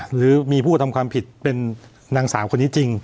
หรือมีผู้กระทำความผิดเป็นนางสาวคนนี้จริง